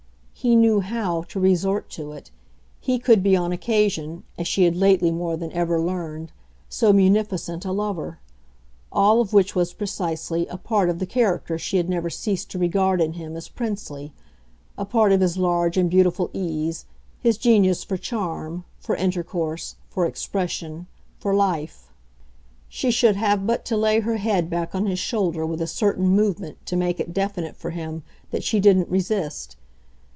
He KNEW HOW to resort to it he could be, on occasion, as she had lately more than ever learned, so munificent a lover: all of which was, precisely, a part of the character she had never ceased to regard in him as princely, a part of his large and beautiful ease, his genius for charm, for intercourse, for expression, for life. She should have but to lay her head back on his shoulder with a certain movement to make it definite for him that she didn't resist.